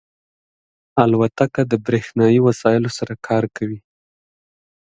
الوتکه د بریښنایی وسایلو سره کار کوي.